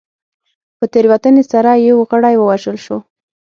په تېروتنې سره یو غړی ووژل شو.